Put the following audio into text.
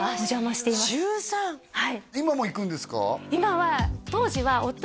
はい今も行くんですか？